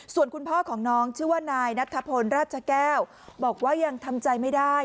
ส่วนคุณพ่อของน้องชื่อว่านายนัทธพลราชแก้วบอกว่ายังทำใจไม่ได้